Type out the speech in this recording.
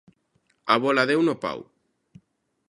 A bola deu no pau.